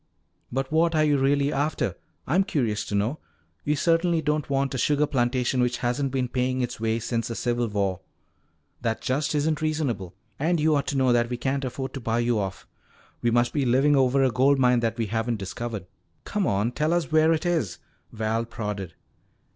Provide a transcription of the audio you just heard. "But what are you really after? I'm curious to know. You certainly don't want a sugar plantation which hasn't been paying its way since the Civil War. That just isn't reasonable. And you ought to know that we can't afford to buy you off. We must be living over a gold mine that we haven't discovered. Come on, tell us where it is," Val prodded.